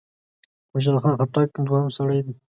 خوشحال خان خټک دوهم سړی دی.